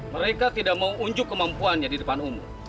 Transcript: mereka tidak mau unjuk kemampuannya di depan umum